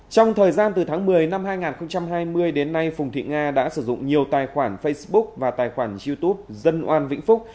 trong thời gian từ tháng một mươi năm hai nghìn hai mươi đến nay phùng thị nga đã sử dụng nhiều tài khoản facebook và tài khoản youtube dân oan vĩnh phúc